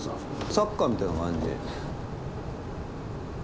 サッカーみたいな感じ。